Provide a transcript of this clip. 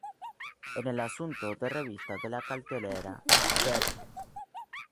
En el asunto de revista de la "Cartelera" Feb.